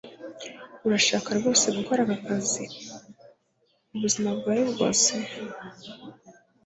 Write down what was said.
urashaka rwose gukora aka kazi ubuzima bwawe bwose